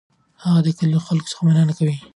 هغه د کلي له خلکو مننه کوي.